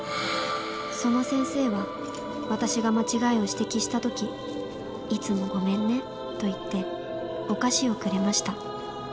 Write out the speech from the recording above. その先生は私が間違いを指摘した時いつもごめんねと言ってお菓子をくれました。